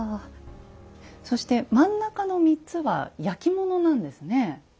そして真ん中の３つは焼き物なんですね。